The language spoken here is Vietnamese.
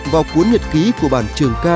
vào cuốn nhật ký của bản trường ca